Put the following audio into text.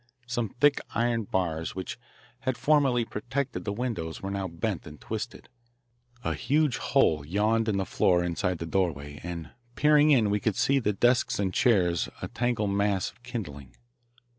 Some thick iron bars which had formerly protected the windows were now bent and twisted. A huge hole yawned in the floor inside the doorway, and peering in we could see the desks and chairs a tangled mass of kindling.